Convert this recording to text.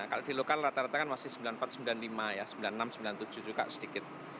kalau di lokal rata rata kan masih sembilan puluh empat sembilan puluh lima ya sembilan puluh enam sembilan puluh tujuh juga sedikit